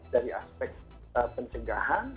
dari aspek pencegahan